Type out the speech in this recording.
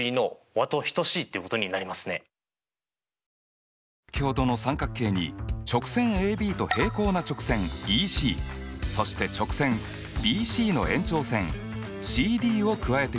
つまり先ほどの三角形に直線ＡＢと平行な直線ＥＣそして直線ＢＣの延長線ＣＤを加えてみる。